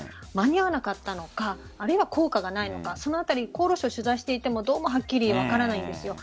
間に合わなかったのかあるいは効果がないのかそのあたり厚労省を取材してもどうもはっきり分からないんです。